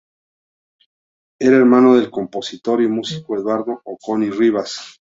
Era hermano del compositor y músico Eduardo Ocón y Rivas.